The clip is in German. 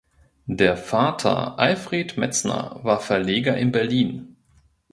Der Vater Alfred Metzner war Verleger in Berlin.